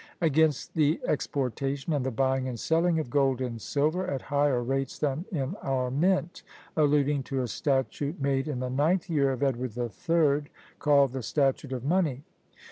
Against "the exportation and the buying and selling of gold and silver at higher rates than in our mint," alluding to a statute made in the ninth year of Edward the Third, called the Statute of Money.